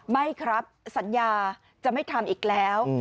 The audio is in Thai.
ไม่ครับสัญญาจะไม่ทำอีกแล้ว